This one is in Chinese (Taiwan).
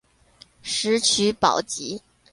石渠寶笈